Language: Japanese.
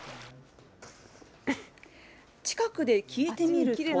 近くで聞いてみると。